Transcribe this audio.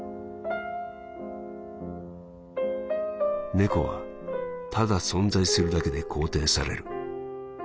「猫はただ存在するだけで肯定される」。